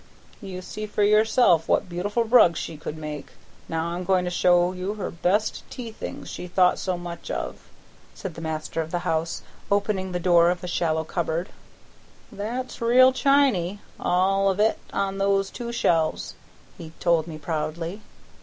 "You see for yourself what beautiful rugs she could make; now I'm going to show you her best tea things she thought so much of," said the master of the house, opening the door of a shallow cupboard. "That's real chiny, all of it on those two shelves," he told me proudly.